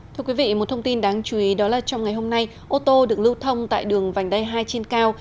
thưa quý vị một thông tin đáng chú ý đó là trong ngày hôm nay ô tô được lưu thông tại đường vành đai hai trên cao